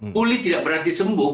pulih tidak berarti sembuh